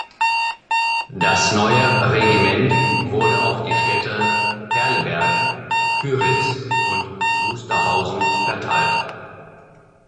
Das neue Regiment wurde auf die Städte Perleberg, Kyritz und Wusterhausen verteilt.